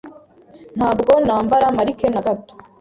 Ntabwo nambara marike na gato